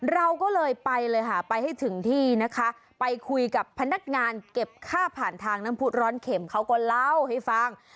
เราก็เลยไปเลยค่ะไปให้ถึงที่นะคะไปคุยกับพนักงานเก็บค่าผ่านทางน้ำผู้ร้อนเข็มเขาก็เล่าให้ฟัง